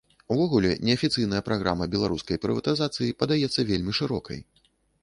Увогуле, неафіцыйная праграма беларускай прыватызацыі падаецца вельмі шырокай.